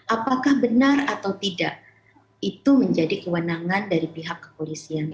apakah benar atau tidak itu menjadi kewenangan dari pihak kepolisian